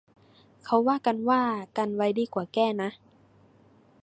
เขาว่ากันว่า กันไว้ดีกว่าแก้นะ